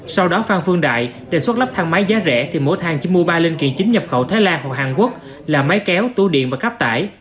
sau đó phan phương đại đề xuất lắp thang máy giá rẻ thì mỗi thang chỉ mua ba linh kiện chính nhập khẩu thái lan hoặc hàn quốc là máy kéo tủ điện và cắp tải